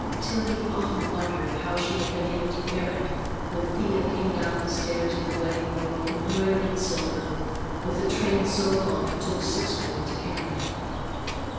Tillie often wondered how she had been able to bear it when Thea came down the stairs in the wedding robe embroidered in silver, with a train so long it took six women to carry it.